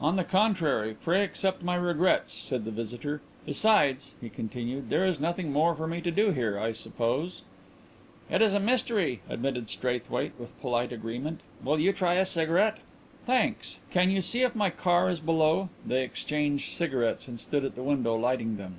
"On the contrary, pray accept my regrets," said the visitor. "Besides," he continued, "there is nothing more for me to do here, I suppose...." "It is a mystery," admitted Straithwaite, with polite agreement. "Will you try a cigarette?" "Thanks. Can you see if my car is below?" They exchanged cigarettes and stood at the window lighting them.